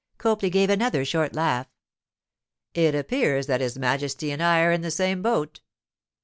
Copley gave another short laugh. 'It appears that his Majesty and I are in the same boat.